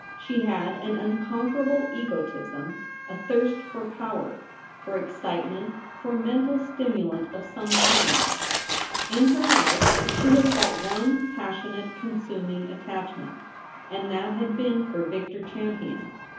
She had an unconquerable egotism, a thirst MARTS RECEPTION. 249 for power, for excitement, for mental stimulant of some kind. In her life she had felt one passionate, consuming attachment ; and that had been for Victor Champion.